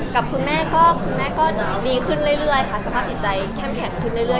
กับคุณแม่ก็ดีขึ้นเรื่อยค่ะสภาพสินใจแข็มแขล่งขึ้นเรื่อย